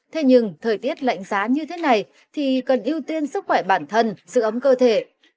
thế nhưng thời tiết lạnh giá như thế này thì cần ưu tiên sức khỏe bản thân sự ấm cơ thể